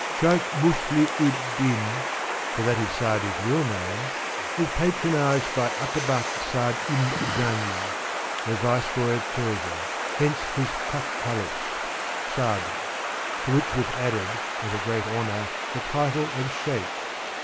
Shaikh Muslih ud Din, for that is Sa'di*s real name, was patronized by Atabak Sad ibn Zangi, the Vice roy of Persia, hence his takhallus, SaMi; to which was added as a great honor the title of Shaikh.